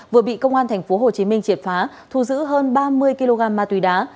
vừa bị công an tp hcm triệt phá thu giữ hơn ba mươi kg ma túy đá